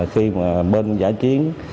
khi mà bên giả chiến